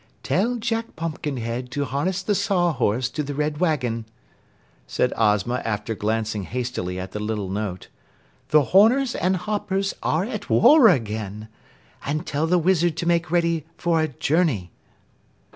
"Tell Jack Pumpkinhead to harness the Sawhorse to the red wagon," said Ozma after glancing hastily at the little note. "The Horners and Hoppers are at war again. And tell the Wizard to make ready for a journey."